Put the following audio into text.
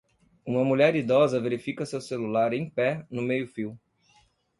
Uma mulher idosa verifica seu celular em pé no meio-fio.